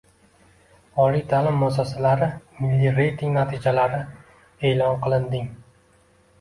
Oliy ta’lim muassasalari milliy reyting natijalari e’lon qilinding